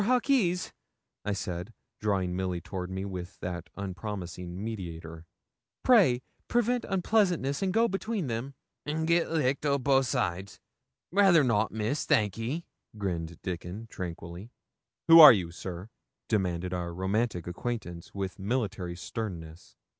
Hawkes,' I said, drawing Milly with me toward that unpromising mediator, 'pray prevent unpleasantness and go between them.' 'An' git licked o' both sides? Rather not, Miss, thank ye,' grinned Dickon, tranquilly. 'Who are you, sir?' demanded our romantic acquaintance, with military sternness.